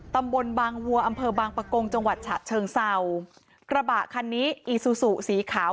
ตำบลบางวัวอำเภอบางปะโกงจังหวัดฉะเชิงเศร้ากระบะคันนี้อีซูซูสีขาว